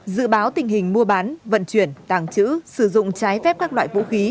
dự báo tình hình mua bán vận chuyển tàng trữ sử dụng trái phép các loại vũ khí